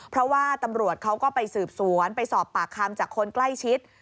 เพราะว่าตำรวจเขาก็ไปสืบสวนไปสอบปากคำจากคนใกล้ชิด